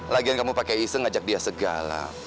lagian kamu pakai iseng ajak dia segala